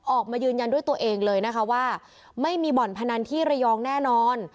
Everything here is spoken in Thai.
ออกมายืนยันด้วยตัวเองเลยนะคะว่าไม่มีบ่อนพนันที่ระยองแน่นอน